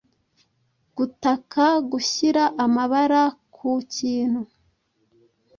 Gutaka: Gushyira amabara ku kintu